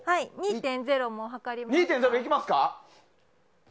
２．０も測りますか？